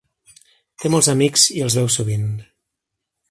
Té molts amics i els veu sovint.